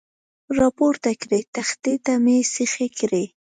را پورته کړې، تختې ته مې سیخې کړې.